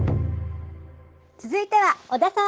続いては小田さん！